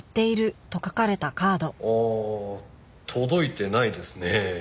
ああ届いてないですね。